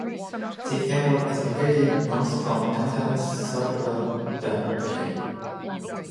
The airport is located north from downtown Salvador da Bahia.